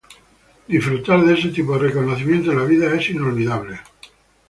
Disfrutar de ese tipo de reconocimiento en la vida es inolvidable.